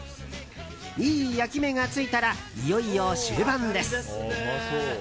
いい焼き目がついたらいよいよ終盤です。